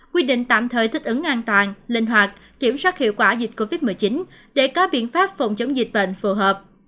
quy định tạm thời đại dịch